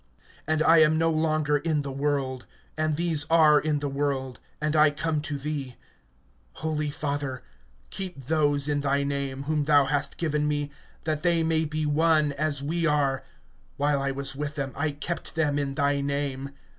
(11)And I am no longer in the world; and these are in the world, and I come to thee. Holy Father, keep those in thy name whom thou hast given me, that they may be one, as we are, (12)While I was with them, I kept them in thy name.